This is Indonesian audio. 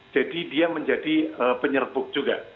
jadi dia menjadi penyerbuk juga